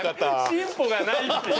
進歩がないっていう。